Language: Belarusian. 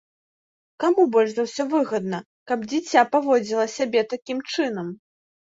Каму больш за ўсё выгадна, каб дзіця паводзіла сябе такім чынам?